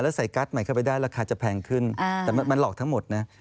แล้วใส่การ์ดใหม่เข้าไปได้ราคาจะแพงขึ้นแต่มันหลอกทั้งหมดนะ